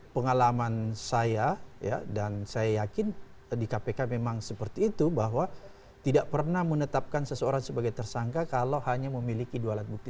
pengalaman saya dan saya yakin di kpk memang seperti itu bahwa tidak pernah menetapkan seseorang sebagai tersangka kalau hanya memiliki dua alat bukti